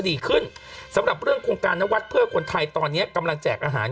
ดีขึ้นสำหรับเรื่องโครงการนวัดเพื่อคนไทยตอนนี้กำลังแจกอาหาร